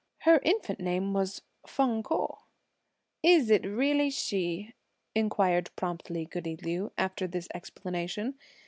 Her infant name was Feng Ko." "Is it really she?" inquired promptly goody Liu, after this explanation.